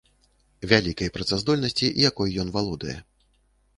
Вялікай працаздольнасці, якой ён валодае.